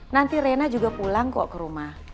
nanti rena juga pulang kok ke rumah